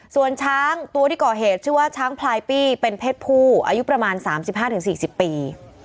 ส่วนช้างตัวที่ก่อเหตุชื่อว่าช้างพลายปี้เป็นเพศผู้อายุประมาณ๓๕๔๐ปี